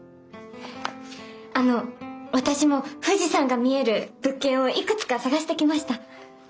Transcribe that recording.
あの私も富士山が見える物件をいくつか探してきました。